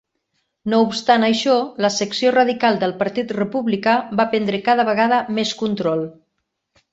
No obstant això, la secció radical del Partit Republicà va prendre cada vegada més control.